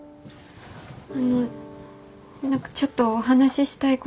あのうちょっとお話ししたいことが。